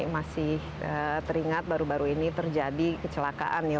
masih teringat baru baru ini terjadi kecelakaan ya